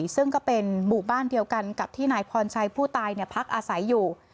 ซึ่งก็เป็นหมู่บ้านเดียวกันกับที่นายพรชัยผู้ตายพักอาศัยอยู่